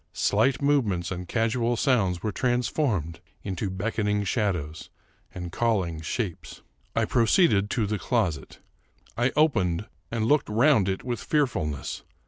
Slight movements and casual sounds were transformed into beckoning shadows and calling shapes. I proceeded to the closet. I opened and looked round it with fearfulness.